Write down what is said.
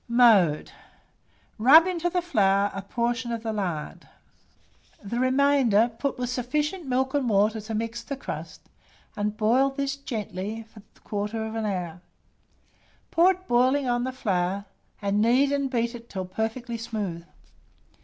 Mode. Rub into the flour a portion of the lard; the remainder put with sufficient milk and water to mix the crust, and boil this gently for 1/4 hour. Pour it boiling on the flour, and knead and beat it till perfectly smooth.